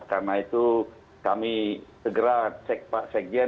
karena itu kami segera pak sekjen